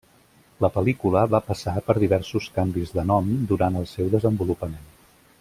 La pel·lícula va passar per diversos canvis de nom durant el seu desenvolupament.